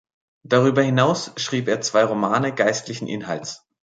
Darüber hinaus schrieb er zwei Romane geistlichen Inhalts.